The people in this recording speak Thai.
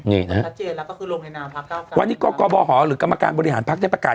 นี่นะวันนี้ก็กบหหรือกรรมการบริหารพักได้ประกาศ